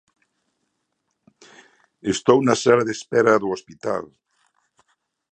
Estou na sala de espera do hospital.